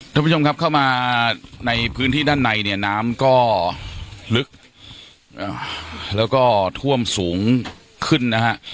ท่านผู้ชมครับเข้ามาในพื้นที่ด้านในเนี่ยน้ำก็ลึกแล้วก็ท่วมสูงขึ้นนะฮะ